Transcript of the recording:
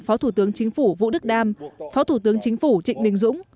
phó thủ tướng chính phủ vũ đức đam phó thủ tướng chính phủ trịnh đình dũng